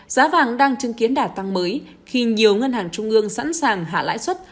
giá vàng đang chứng kiến đà tăng mới khi nhiều ngân hàng trung ương sẵn sàng hạ lãi xuất